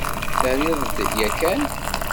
Terriḍ-d yakan?